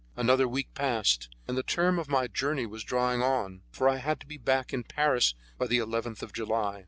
Another week passed, and the term of my journey was drawing on, for I had to be back in Paris by the eleventh of July.